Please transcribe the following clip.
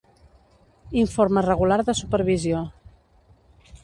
Informe regular de supervisió.